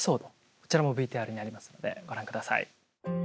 こちらもＶＴＲにありますのでご覧ください。